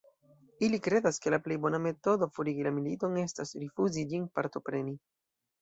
Ili kredas, ke la plej bona metodo forigi la militon, estas rifuzi ĝin partopreni.